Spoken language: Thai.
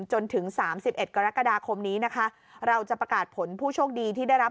จนถึงสามสิบเอ็ดกรกฎาคมนี้นะคะเราจะประกาศผลผู้โชคดีที่ได้รับ